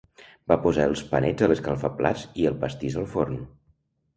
Va posar els panets a l'escalfaplats i el pastís al forn